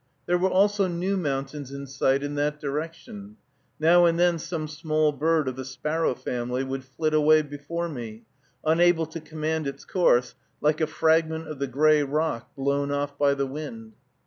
There were also new mountains in sight in that direction. Now and then some small bird of the sparrow family would flit away before me, unable to command its course, like a fragment of the gray rock blown off by the wind.